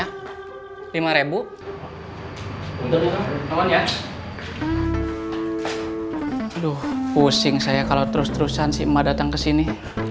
aduh pusing saya kalau terus terusan si emak datang ke sini